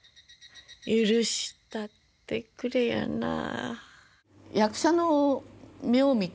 「許したってくれやなあ」。